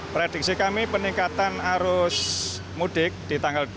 prediksi kami peningkatan arus mudik di tanggal dua puluh